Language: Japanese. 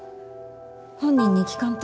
本人に聞かんと。